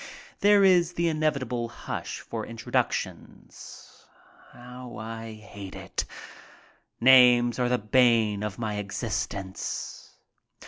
There is the inevitable hush for introductions. How I hate it. Names are the bane of my existence.